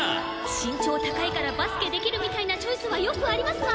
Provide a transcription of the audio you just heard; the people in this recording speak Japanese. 身長高いからバスケできるみたいなチョイスはよくありますが。